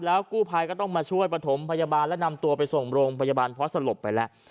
กู้ภัยก็ต้องมาช่วยประถมพยาบาลและนำตัวไปส่งโรงพยาบาลเพราะสลบไปแล้ว